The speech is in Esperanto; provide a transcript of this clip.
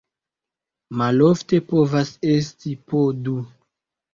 Malofte povas esti po du.